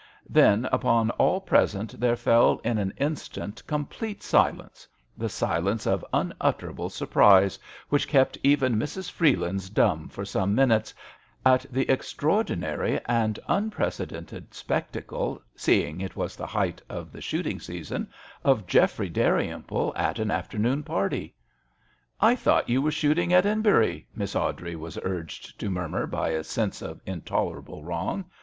Then upon all present there fell in an instant complete silence — the silence of unutter able surprise, which kept even Mrs. Freelands dumb for some minutes, at the extraordinary and unprecedented spectacle, seeing it was the height of the shooting season, of Geoffrey Dalrymple at an afternoon party. " I thought you were shooting 13 / 194 MISS awdrey at home. at Enbury?" Miss Awdrey was urged to murmur by a sense of intolerable wrong.